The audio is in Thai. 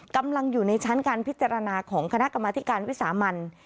กำลังอยู่ในชั้นการพิจารณาของคณะกรรมธิการวิสามัน